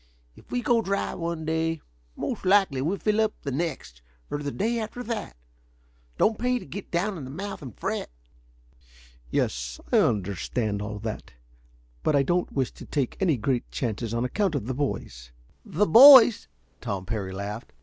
If we go dry one day, most likely we fill up the next, or the day after that. Don't pay to get down in the mouth and fret." "Yes, I understand all that. But I don't wish to take any great chances on account of the boys." "The boys?" Tom Parry laughed.